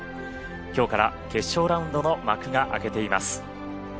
きょうから決勝ラウンドの幕が開けています。